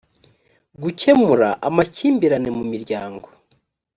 gukemura amakimbirane mu miryango